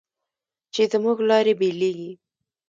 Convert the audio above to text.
چې زموږ لارې بېلېږي